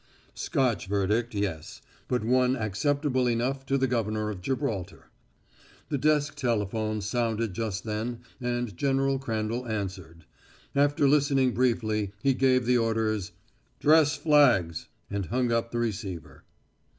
Scotch verdict, yes, but one acceptable enough to the governor of Gibraltar. The desk telephone sounded just then, and General Crandall answered. After listening briefly, he gave the orders, "Dress flags!" and hung up the receiver.